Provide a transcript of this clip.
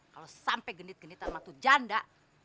kalau sampai genit genit sama tu janda